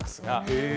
へえ！